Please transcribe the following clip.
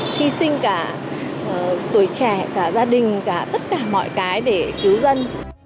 từ tuổi trẻ cả gia đình cả tất cả mọi cái để cứu dân